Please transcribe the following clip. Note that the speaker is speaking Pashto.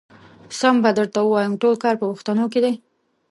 سم به درته ووايم ټول کار په پښتنو کې دی.